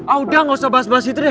ah udah gak usah bahas bahas itu deh